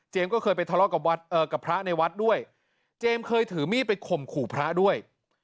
ก็เคยไปทะเลาะกับพระในวัดด้วยเจมส์เคยถือมีดไปข่มขู่พระด้วย